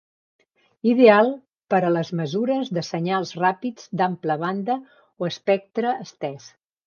Ideal per a les mesures de senyals ràpids d'ampla banda o espectre estès.